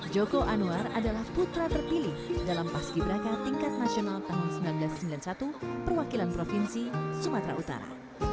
joko anwar adalah putra terpilih dalam paski braka tingkat nasional tahun seribu sembilan ratus sembilan puluh satu perwakilan provinsi sumatera utara